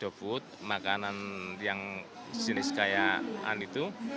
dofut makanan yang jenis kayaan itu